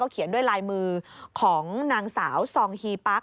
เขียนด้วยลายมือของนางสาวซองฮีปั๊ก